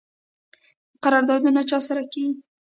قراردادونه چا سره کیږي؟